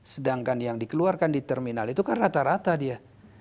sedangkan yang dikeluarkan di terminal itu kan rata rata dia